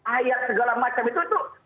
ayat segala macam itu